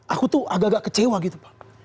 aku tuh agak agak kecewa gitu pak